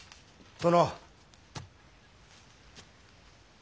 殿。